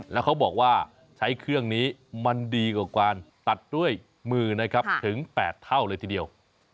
แล้วเขาบอกว่าใช้เครื่องนี้มันดีกว่าการตัดด้วยมือนะครับถึง๘เท่าเลยทีเดียว